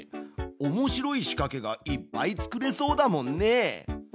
おもしろい仕かけがいっぱいつくれそうだもんね。